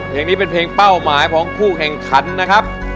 เพลงนี้เป็นเพลงเป้าหมายของคู่แข่งขันนะครับ